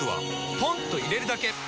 ポンと入れるだけ！